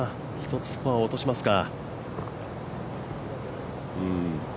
１つ、スコアを落としますか。